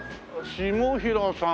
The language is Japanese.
下平さん